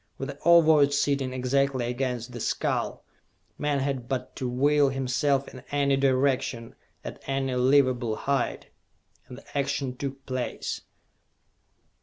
With the Ovoid sitting exactly against the skull, man had but to will himself in any direction, at any livable height, and the action took place.